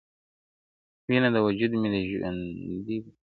وينه د وجود مي ده ژوندی يم پرې.